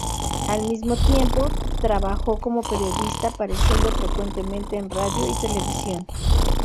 Al mismo tiempo trabajó como periodista, apareciendo frecuentemente en radio y televisión.